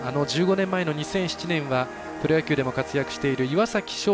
１５年前の２００７年はプロ野球でも活躍している岩嵜翔